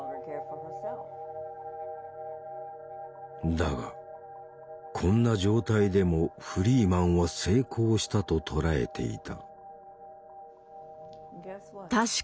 だがこんな状態でもフリーマンは「成功」したと捉えていた。